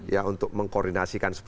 ya untuk mengkoordinasikan